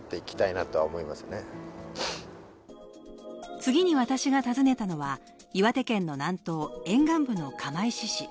次に私が訪ねたのは岩手県の南東、沿岸部の釜石市。